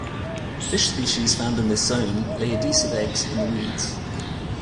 Fish species found in this zone lay adhesive eggs in the weeds.